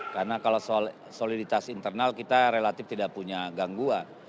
karena kalau soliditas internal kita relatif tidak punya gangguan